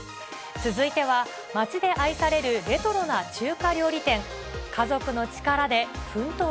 続いては、町で愛されるレトロな中華料理店。